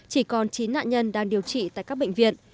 chỉ còn chín nạn nhân đang điều trị tại các bệnh viện